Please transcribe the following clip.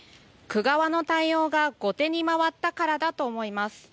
区側の対応が後手に回ったからだと思います。